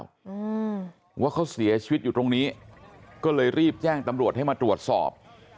อืมว่าเขาเสียชีวิตอยู่ตรงนี้ก็เลยรีบแจ้งตำรวจให้มาตรวจสอบ